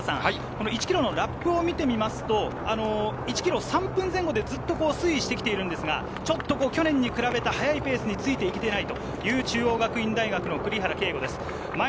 １ｋｍのラップを見ると１ｋｍ３分前後でずっと推移してきているんですが、ちょっと去年に比べて速いペースについていけてないという中央学院大の栗原啓吾です。